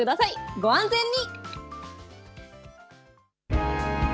ご安全に。